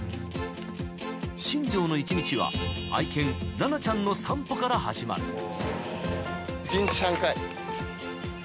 ［新庄の一日は愛犬ラナちゃんの散歩から始まる］